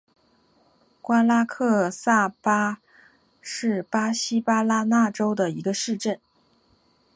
瓜拉克萨巴是巴西巴拉那州的一个市镇。